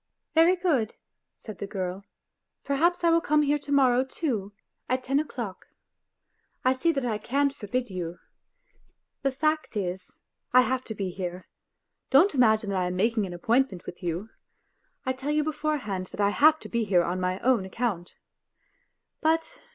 ..."" Very good," said the girl, " perhaps I will come here to morrow, too, at ten o'clock. I see that I can't forbid you. ... The fact is, I have to be here ; don't imagine that I am making an appointment with you ; I tell you beforehand that I have to be here on my own account. But